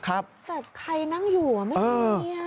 แต่ใครนั่งอยู่ไม่มี